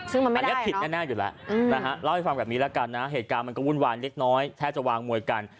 ซึ่งอันนี้ผิดแน่อยู่แล้วนะฮะเล่าให้ฟังแบบนี้แล้วกันนะเหตุการณ์มันก็วุ่นวายเล็กน้อยแทบจะวางมวยกัน